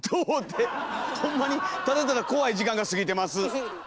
ほんまにただただ怖い時間が過ぎてます。